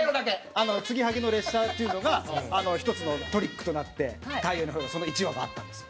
あのつぎはぎの列車というのが１つのトリックとなって『太陽にほえろ！』にその１話があったんですよ。